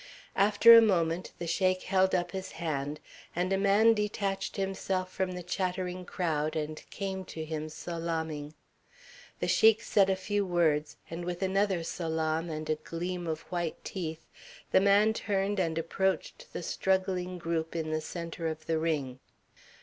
After a moment the Sheik held up his hand, and a man detached himself from the chattering crowd and came to him salaaming. The Sheik said a few words, and with another salaam and a gleam of white teeth, the man turned and approached the struggling group in the centre of the ring.